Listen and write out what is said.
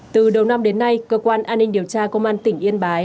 từ đầu năm đến nay cơ quan an ninh điều tra công an tỉnh yên bái